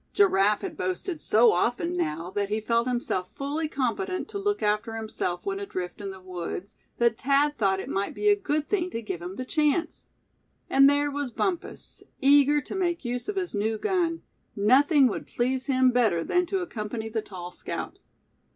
Giraffe had boasted so often now, that he felt himself fully competent to look after himself when adrift in the woods, that Thad thought it might be a good thing to give him the chance. And there was Bumpus, eager to make use of his new gun; nothing would please him better than to accompany the tall scout.